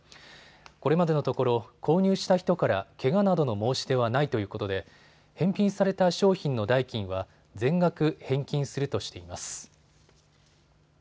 これまでのところ購入した人からけがなどの申し出はないということで返品された商品の代金は全額返金するとしています。